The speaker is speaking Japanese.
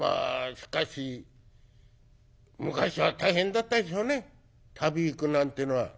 しかし昔は大変だったでしょうね旅行くなんてのは。